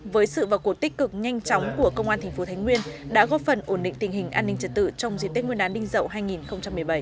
với sự và cuộc tích cực nhanh chóng của công an tp thái nguyên đã góp phần ổn định tình hình an ninh trật tự trong diễn tích nguyên đán đinh dậu hai nghìn một mươi bảy